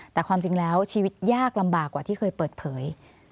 แต่ความจริงแล้วชีวิตยากลำบากกว่าที่เคยเปิดเผย